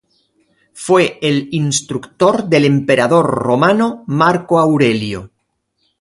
Fue el instructor del emperador romano Marco Aurelio.